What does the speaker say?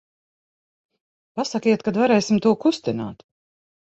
Pasakiet, kad varēsim to kustināt.